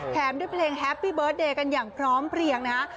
ด้วยเพลงแฮปปี้เบิร์ตเดย์กันอย่างพร้อมเพลียงนะฮะ